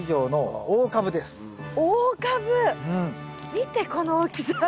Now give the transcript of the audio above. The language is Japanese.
見てこの大きさ。